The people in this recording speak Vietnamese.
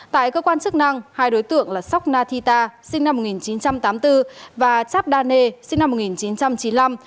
tại cơ quan chức năng hai đối tượng là sok nathita sinh năm một nghìn chín trăm tám mươi bốn và chabdane sinh năm một nghìn chín trăm chín mươi năm